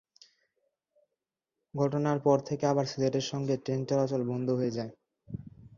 ঘটনার পর থেকে আবার সিলেটের সঙ্গে ট্রেন চলাচল বন্ধ হয়ে যায়।